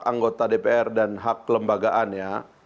anggota dpr dan hak kelembagaan ya